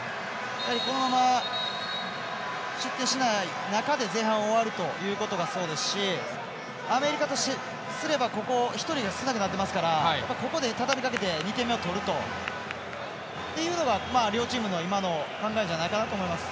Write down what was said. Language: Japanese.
このまま、失点しない中で前半を終わるということがそうですしアメリカとすればここ１人、少なくなってますからここで、たたみかけて２点目を取るというのはっていうのが両チームの今の考えじゃないかなと思います。